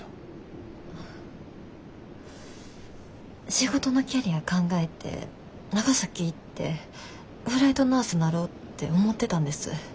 仕事のキャリア考えて長崎行ってフライトナースなろうって思ってたんです。